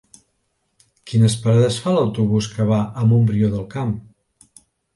Quines parades fa l'autobús que va a Montbrió del Camp?